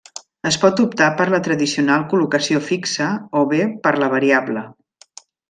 Es pot optar per la tradicional col·locació fixa o bé per la variable.